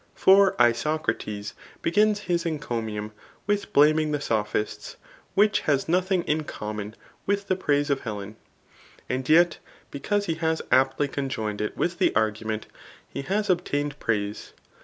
For Isocrates begins his encomium with blaming the sophists, which has nothing in common with the praise of Helen ; and yet because he has aptly conjoined it with the argument, he has obtained praise.